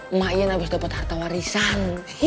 emak iyan abis dapat harta warisan